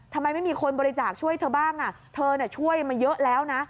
ทำไมไม่มีคนบริจาคช่วยเธอบ้างเธอช่วยมาเยอะแล้วนะ